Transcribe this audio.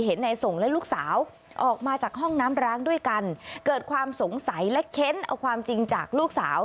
นายส่งและลูกสาวออกมาจากห้องน้ำร้างด้วยกันเกิดความสงสัยและเค้นเอาความจริงจากลูกสาว